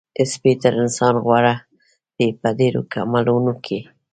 سپی تر انسان غوره دی په ډېرو عملونو کې.